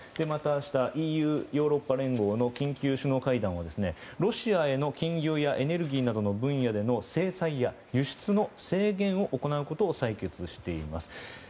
また、明日ＥＵ・ヨーロッパ連合の緊急首脳会談はロシアへの金融やエネルギーの分野での制裁や輸出の制限を行うことを採決しています。